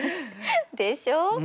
でしょう？